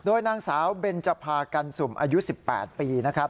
โดยนางสาวเบนจภากันสุ่มอายุ๑๘ปีนะครับ